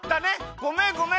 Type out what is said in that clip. ごめんごめん！